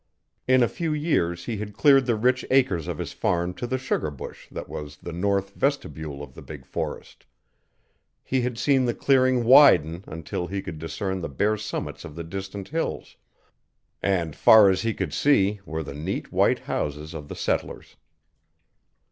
In a few years he had cleared the rich acres of his farm to the sugar bush that was the north vestibule of the big forest; he had seen the clearing widen until he could discern the bare summits of the distant hills, and, far as he could see, were the neat white houses of the settlers.